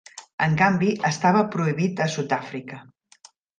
En canvi, estava prohibit a Sud-àfrica.